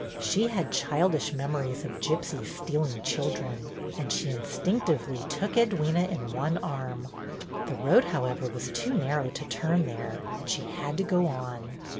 She had childish memories of gypsies stealing children, and she instinctively took Edwyna in one arm. The road, however, was too nar row to turn there, and she had to go on.